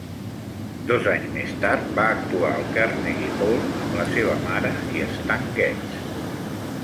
Dos anys més tard, va actuar al Carnegie Hall amb la seva mare i Stan Getz.